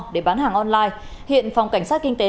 để bán hàng online hiện phòng cảnh sát kinh tế